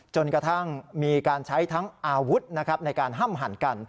จนกระทั่งมีการใช้ทั้งอาวุธนะครับในการห้ำหั่นกัน